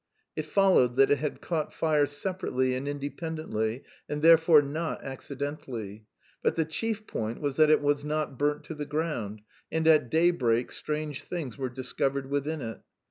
It followed that it had caught fire separately and independently and therefore not accidentally. But the chief point was that it was not burnt to the ground, and at daybreak strange things were discovered within it.